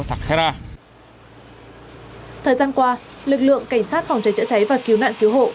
thời gian qua lực lượng cảnh sát phòng cháy chữa cháy và cứu nạn cứu hộ